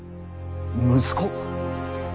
息子！？